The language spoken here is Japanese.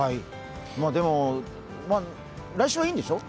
でも、来週はいいんでしょう？